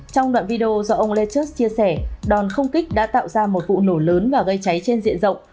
trong đoạn video do ông lêchucks chia sẻ đòn không kích đã tạo ra một vụ nổ lớn và gây cháy trên diện rộng